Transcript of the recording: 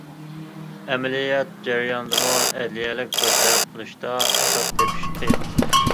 ئەمەلىيەت جەريانىدىمۇ ئەدلىيەلىك بىر تەرەپ قىلىشتا ئاساس تېپىش قىيىن.